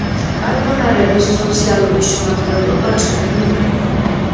კარბონარების სოციალური შემადგენლობა ჭრელი იყო.